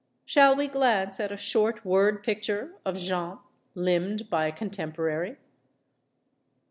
Shall we glance at a short word picture of Jeanne, limned by a contemporary?